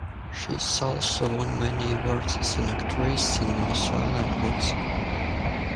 She's also won many awards as an actress in Venezuela and Mexico.